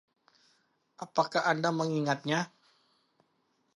Apakah anda mengingatnya?